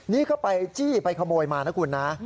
นี่ก็ไปจี้ไปขโมยมานะคุณนะ